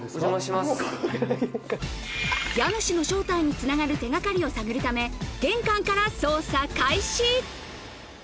家主の正体に繋がる手がかりを探るため、玄関から捜査開始。